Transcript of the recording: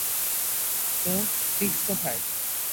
তো, সিক্স কোথায়?